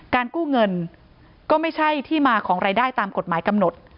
กู้เงินก็ไม่ใช่ที่มาของรายได้ตามกฎหมายกำหนด